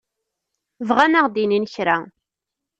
Bɣan ad aɣ-d-inin kra.